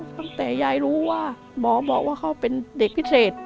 ตั้งแต่ยายรู้ว่าหมอบอกว่าเขาเป็นเด็กพิเศษ